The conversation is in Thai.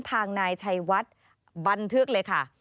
ทางนายชัยวัดบันทึกเลยค่ะ